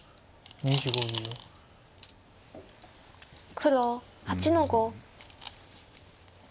黒８の五。